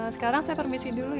sekarang saya permisi dulu